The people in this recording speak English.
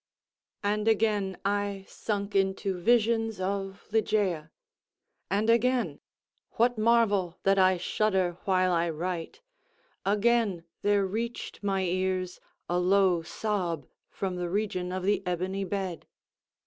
And again I sunk into visions of Ligeia—and again, (what marvel that I shudder while I write?), again there reached my ears a low sob from the region of the ebony bed.